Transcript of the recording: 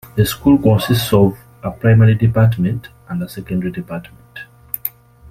The school consists of a primary department and a secondary department.